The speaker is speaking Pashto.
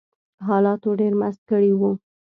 حالاتو ډېر مست کړي وو